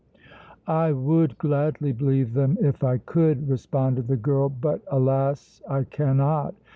"I would gladly believe them if I could," responded the girl; "but, alas! I cannot!